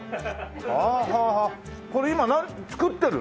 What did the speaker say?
これ今作ってるの？